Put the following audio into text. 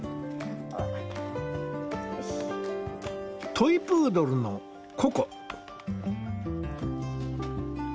トイプードルのココ。